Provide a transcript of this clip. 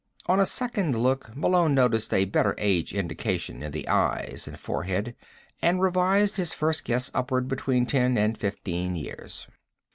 On a second look, Malone noticed a better age indication in the eyes and forehead, and revised his first guess upward between ten and fifteen years.